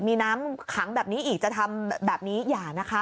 มีน้ำขังแบบนี้อีกจะทำแบบนี้อย่านะคะ